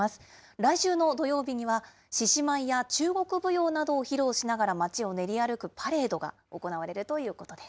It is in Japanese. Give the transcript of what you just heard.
来週の土曜日には、獅子舞や中国舞踊などを披露しながら街を練り歩くパレードが行われるということです。